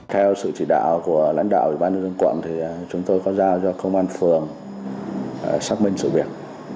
theo sự chỉ đạo của lãnh đạo của ban nước dân quận chúng tôi có giao cho công an phường xác minh sự việc